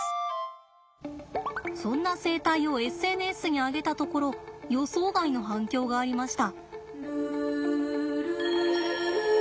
そんな生態をＳＮＳに上げたところ予想外の反響がありました。